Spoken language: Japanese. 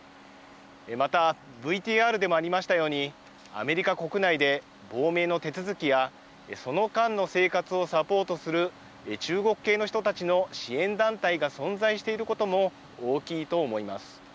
またＶＴＲでもありましたように、アメリカ国内で亡命の手続きやその間の生活をサポートする、中国系の人たちの支援団体が存在していることも大きいと思います。